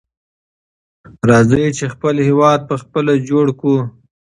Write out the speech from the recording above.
راځئ چې خپل هېواد په خپله جوړ کړو.